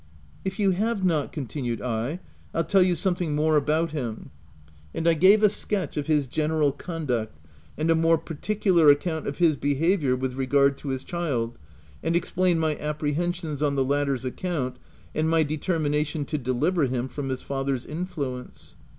" If you have not," continued I, " Til tell you something more about him "— and I gave a sketch of his general conduct, and a more particular account of his behaviour with regard to his child, and explained my apprehensions on the latter^s account, and my determination to deliver him from his father's influence.